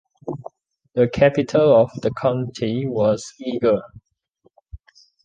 The capital of the county was Eger.